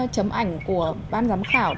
chấm ảnh của ban giám khảo